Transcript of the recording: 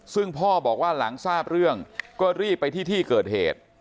ซึ่งพ่อบอกว่าหลังทราบเรื่องก็รีบไปที่ที่เกิดเหตุ